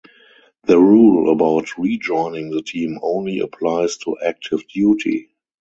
The rule about rejoining the team only applies to active duty.